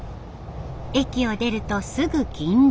駅を出るとすぐ銀座。